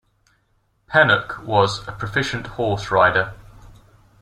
Pennock was a proficient horse rider.